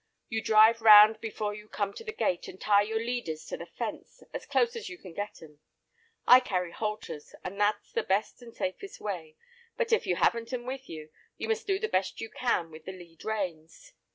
You drive round before you come to the gate and tie your leaders to the fence as close as you can get 'em. I carry halters, and that's the best and safest way; but if you haven't 'em with you, you must do the best you can with the lead reins.